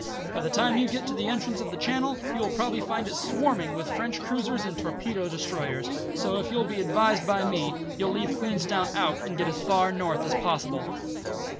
"By the time you get to the entrance of the Channel you will probably find it swarming with French cruisers and torpedo destroyers, so if you'll be advised by me, you'll leave Queenstown out and get as far north as possible."